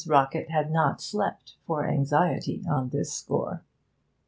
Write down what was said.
Rockett had not slept for anxiety on this score.